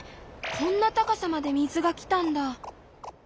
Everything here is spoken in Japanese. こんな高さまで水がきたんだ。